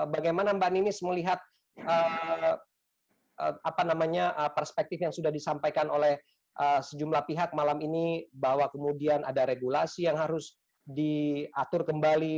bagaimana mbak ninis melihat perspektif yang sudah disampaikan oleh sejumlah pihak malam ini bahwa kemudian ada regulasi yang harus diatur kembali